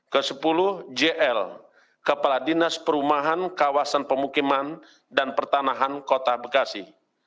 ke sepuluh jl kepala dinas perumahan kawasan pemukiman dan pertanahan kota bekasi